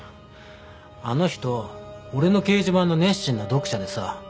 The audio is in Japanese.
あの人俺の掲示板の熱心な読者でさ。